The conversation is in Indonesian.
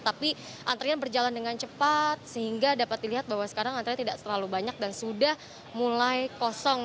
tapi antrian berjalan dengan cepat sehingga dapat dilihat bahwa sekarang antrian tidak terlalu banyak dan sudah mulai kosong